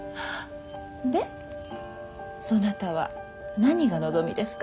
でそなたは何が望みですか？